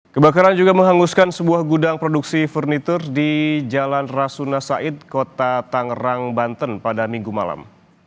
kebakaran juga menghanguskan sebuah gudang produksi furnitur di jalan rasuna said kota tangerang banten pada minggu malam